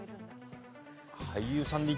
俳優さんで。